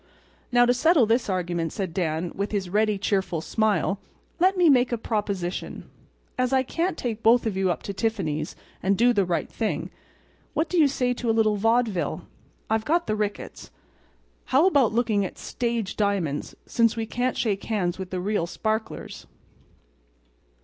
"Now, to settle this argument," said Dan, with his ready, cheerful smile, "let me make a proposition. As I can't take both of you up to Tiffany's and do the right thing, what do you say to a little vaudeville? I've got the tickets. How about looking at stage diamonds since we can't shake hands with the real sparklers?"